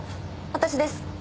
私です。